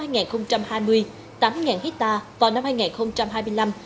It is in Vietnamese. tám hectare vào năm hai nghìn hai mươi năm